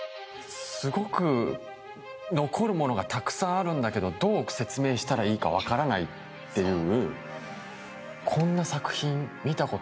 すごく残るものがたくさんあるんだけど、どう説明したらいいか分からないという。